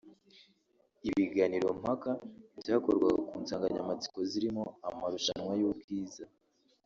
Ibiganirompaka byakorwaga ku nsanganyamatsiko zirimo amarushanwa y’ubwiza